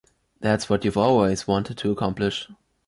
That´s what you´ve always wanted to accomplish.